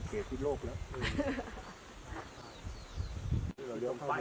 สุดท้ายเมื่อเวลาสุดท้าย